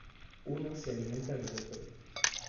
Uno se alimenta del otro.